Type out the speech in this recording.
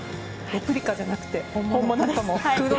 レプリカじゃなくて本物。